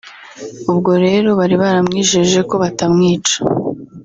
ubwo rero bari baramwijeje ko batamwica